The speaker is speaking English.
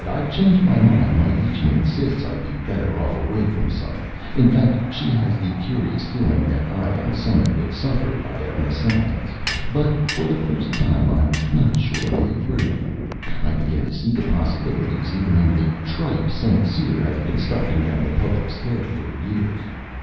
"I've changed my mind. My agent insists I'd be better off away from Summit. In fact, she has the curious feeling that I and Summit would suffer by a mesalliance. But for the first time I'm not sure I agree. I begin to see possibilities, even in the tripe St. Cyr has been stuffing down the public's throat for years.